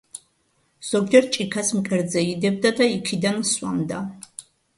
ზოგჯერ ჭიქას მკერდზე იდებდა და იქიდან სვამდა.